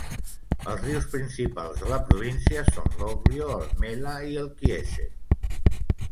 Els rius principals de la província son l'Oglio, el Mella i el Chiese.